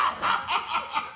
ハハハハ！